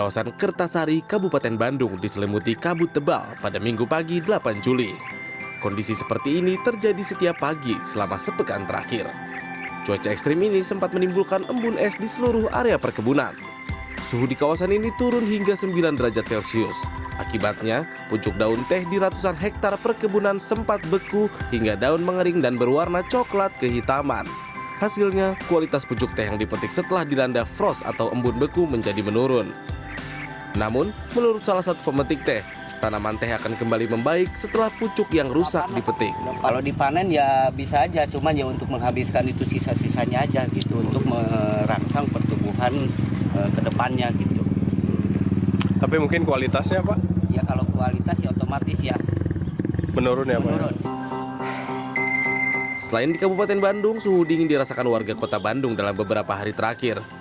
selain di kabupaten bandung suhu dingin dirasakan warga kota bandung dalam beberapa hari terakhir